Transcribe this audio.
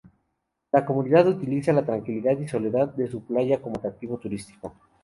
La comunidad utiliza la tranquilidad y soledad de su playa como atractivo turístico.